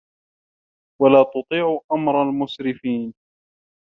وَلا تُطيعوا أَمرَ المُسرِفينَ